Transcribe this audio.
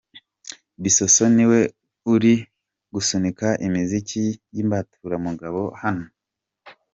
Bissosso niwe uri gusunika imiziki y'imbaturamugabo hano.